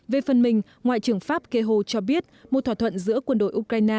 về phần mình ngoại trưởng pháp keho cho biết một thỏa thuận giữa quân đội ukraine